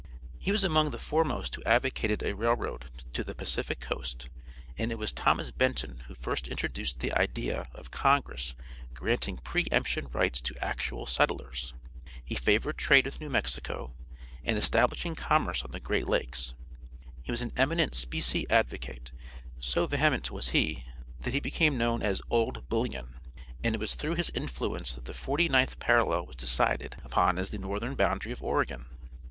He was among the foremost who advocated a railroad to the Pacific coast, and it was Thomas Benton who first introduced the idea of congress granting pre emption rights to actual settlers. He favored trade with New Mexico, and establishing commerce on the great lakes. He was an eminent specie advocate; so vehement was he that he became known as "OLD BULLION," and it was through his influence that the forty ninth parallel was decided upon as the northern boundary of Oregon.